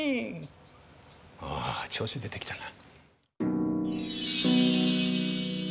あ調子出てきたな。